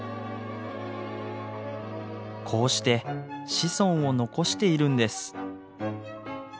こうして子孫を残しているんです。